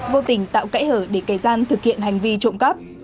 vô tình tạo kẽ hở để kẻ gian thực hiện hành vi trộm cắp